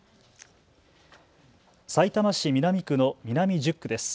さいたま市南区の南１０区です。